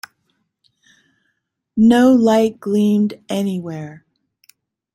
No light gleamed anywhere.